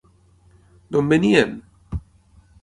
D'on venien?